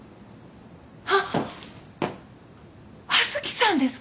あっ刃月さんですか？